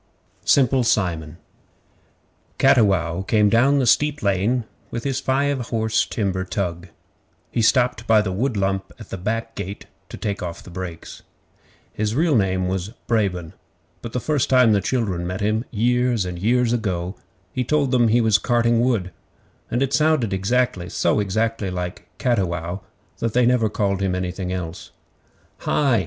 Simple Simon Cattiwow came down the steep lane with his five horse timber tug. He stopped by the wood lump at the back gate to take off the brakes. His real name was Brabon, but the first time the children met him, years and years ago, he told them he was 'carting wood,' and it sounded so exactly like 'cattiwow' that they never called him anything else. 'HI!